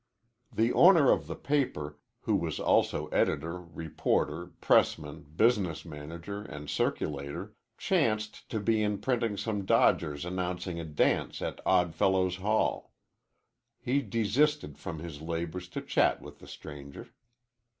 The owner of the paper, who was also editor, reporter, pressman, business manager, and circulator, chanced to be in printing some dodgers announcing a dance at Odd Fellows' Hall. He desisted from his labors to chat with the stranger.